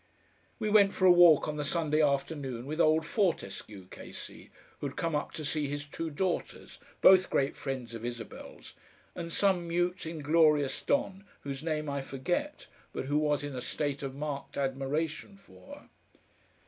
We went for a walk on the Sunday afternoon with old Fortescue, K. C., who'd come up to see his two daughters, both great friends of Isabel's, and some mute inglorious don whose name I forget, but who was in a state of marked admiration for her.